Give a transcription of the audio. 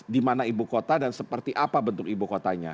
dimana ibu kota dan seperti apa bentuk ibu kota